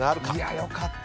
よかった。